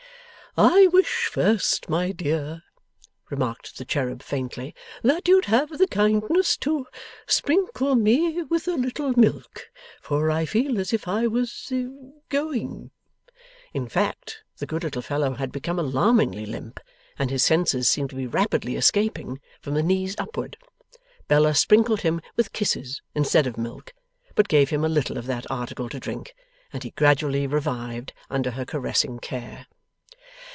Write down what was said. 'I wish first, my dear,' remarked the cherub faintly, 'that you'd have the kindness to sprinkle me with a little milk, for I feel as if I was Going.' In fact, the good little fellow had become alarmingly limp, and his senses seemed to be rapidly escaping, from the knees upward. Bella sprinkled him with kisses instead of milk, but gave him a little of that article to drink; and he gradually revived under her caressing care.